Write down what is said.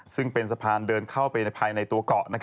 ซึ่งเป็นสะพานเดินเข้าไปภายในตัวเกาะ